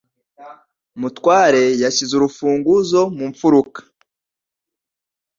Mutwale yashyize urufunguzo mu mufuka.